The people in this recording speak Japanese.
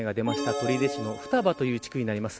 取手市の双葉という地区です。